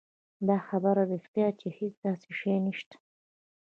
دا خبره رښتيا ده چې هېڅ داسې شی نشته